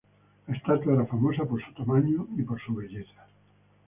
La estatua era famosa por su tamaño y por su belleza.